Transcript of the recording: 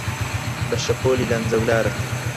بە شەپۆلی لەنجەولارت